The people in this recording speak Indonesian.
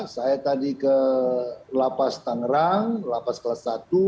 saya tadi ke lapas tangerang lapas kelas satu